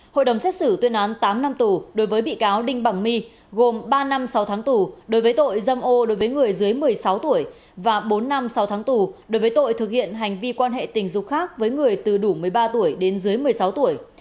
hội đồng xét xử tuyên án tám năm tù đối với bị cáo đinh bằng my gồm ba năm sáu tháng tù đối với tội dâm ô đối với người dưới một mươi sáu tuổi và bốn năm sáu tháng tù đối với tội thực hiện hành vi quan hệ tình dục khác với người từ đủ một mươi ba tuổi đến dưới một mươi sáu tuổi